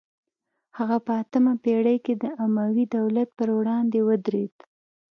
هغه په اتمه پیړۍ کې د اموي دولت پر وړاندې ودرید